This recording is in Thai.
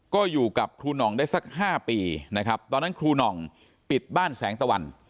ก็อยู่กับครูหน่องได้สัก๕ปีนะครับตอนนั้นครูหน่องปิดบ้านแสงตะวัน